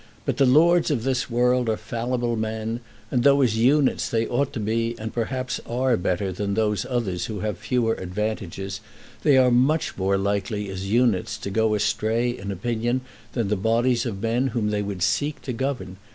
But the lords of this world are fallible men; and though as units they ought to be and perhaps are better than those others who have fewer advantages, they are much more likely as units to go astray in opinion than the bodies of men whom they would seek to govern.